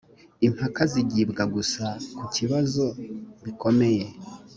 impaka zigibwa gusa ku kibazo bikomeye